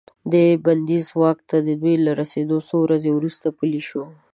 دا بندیز واک ته د دوی له رسیدو څو ورځې وروسته پلی شو.